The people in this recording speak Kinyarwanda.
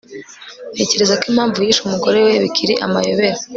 ntekereza ko impamvu yishe umugore we bikiri amayobera